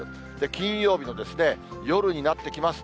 金曜日の夜になってきます。